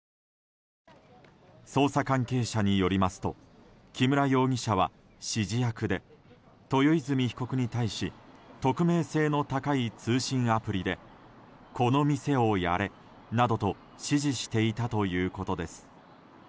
捜査関係者によりますと木村容疑者は、指示役で豊泉被告に対し匿名性の高い通信アプリでこの店をやれなどと指示していたということです。